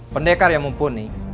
pendekar yang mumpuni